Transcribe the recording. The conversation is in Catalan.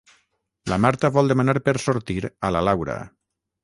La Marta vol demanar per sortir a la Laura.